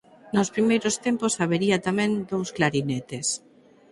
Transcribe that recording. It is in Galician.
Nos primeiros tempos habería tamén dous clarinetes.